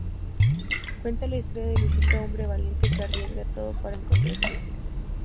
Cuenta la historia de Luisito, hombre valiente que arriesga todo para encontrar justicia.